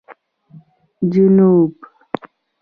جنوب